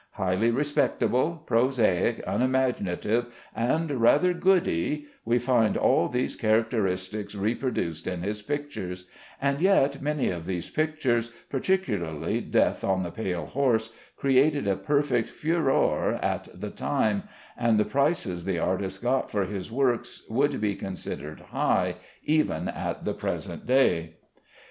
Highly respectable, prosaic, unimaginative, and rather goody, we find all these characteristics reproduced in his pictures, and yet many of these pictures, particularly "Death on the Pale Horse," created a perfect furore at the time, and the prices the artist got for his works would be considered high even at the present day.